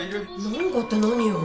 なんかって何よ